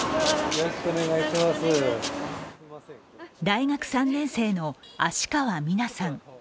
大学３年生の芦川美奈さん。